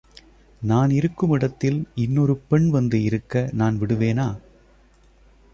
நான் இருக்கும் இடத்தில் இன் னொரு பெண் வந்து இருக்க நான் விடுவேனா?